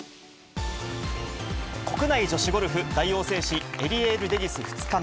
国内女子ゴルフ大王製紙エリエールレディス２日目。